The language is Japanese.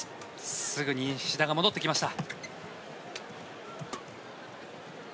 すぐに志田が戻ってきました。